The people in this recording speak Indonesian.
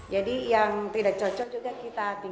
jadi yang tidak cocok juga kita ambil